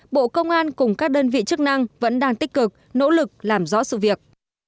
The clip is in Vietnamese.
bộ công an cùng các đơn vị chức năng vẫn đang tích cực nỗ lực làm rõ sự việc